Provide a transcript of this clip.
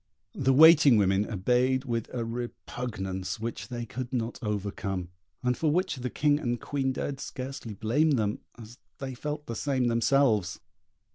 The waiting women obeyed with a repugnance which they could not overcome, and for which the King and Queen dared scarcely blame them, as they felt the same themselves.